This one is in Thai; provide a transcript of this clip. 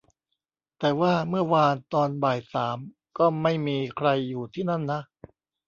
แต่ว่าเมื่อวานตอนบ่ายสามก็ไม่มีใครอยู่ที่นั่นนะ